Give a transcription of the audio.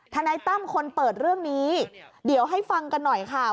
นายตั้มคนเปิดเรื่องนี้เดี๋ยวให้ฟังกันหน่อยค่ะ